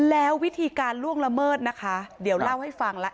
แล้ววิธีการล่วงละเมิดนะคะเดี๋ยวเล่าให้ฟังแล้ว